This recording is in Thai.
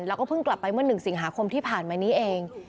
แล้วก็เพิ่งกลับไปเมื่อ๑สิงหาคมที่ผ่านมานี้เอง